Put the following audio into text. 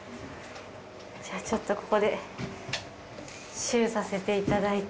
じゃあちょっとここでシューさせていただいて。